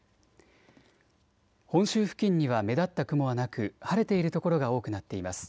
本州付近には目立った雲はなく晴れている所が多くなっています。